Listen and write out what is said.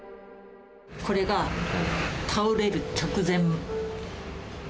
これが、倒れる直前。